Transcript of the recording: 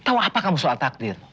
tahu apa kamu soal takdir